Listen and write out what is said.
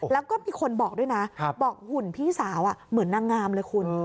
แล้วก็มีคนบอกด้วยนะบอกหุ่นพี่สาวเหมือนนางงามเลยคุณ